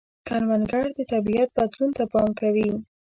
کروندګر د طبیعت بدلون ته پام کوي